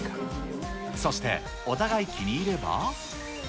そして、お互い気に入れば。